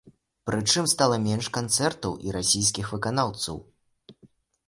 Прычым, стала менш канцэртаў і расійскіх выканаўцаў.